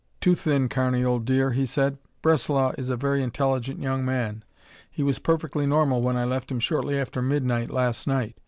"Too thin, Carney, old dear," he said. "Breslau is a very intelligent young man. He was perfectly normal when I left him shortly after midnight last night.